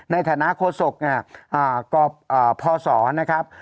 ในฐานะโฆษกพศนะครับ